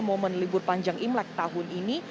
momen libur panjang imlek tahun ini